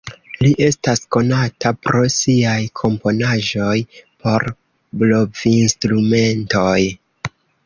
Li estas konata pro siaj komponaĵoj por blovinstrumentoj.